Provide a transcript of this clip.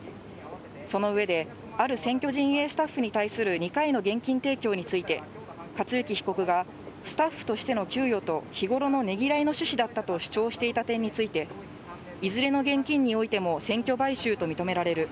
その上で、ある選挙陣営スタッフに対する２回の現金提供について、克行被告がスタッフとしての給与と、日頃のねぎらいの趣旨だったと主張していた点について、いずれの現金においても、選挙買収と認められる。